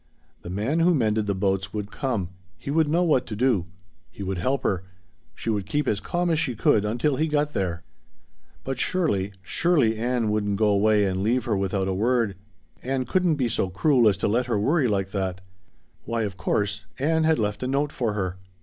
The man who mended the boats would come. He would know what to do. He would help her. She would keep as calm as she could until he got there. But surely surely Ann wouldn't go away and leave her without a word! Ann couldn't be so cruel as to let her worry like that. Why of course Ann had left a note for her.